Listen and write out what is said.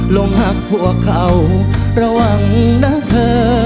ลงหักพวกเขาระวังนะเธอ